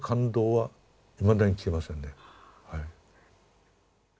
はい。